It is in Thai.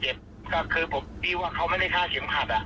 เจ็บก็คือผมดิวว่าเขาไม่ได้ฆ่าเข็มผัดอะ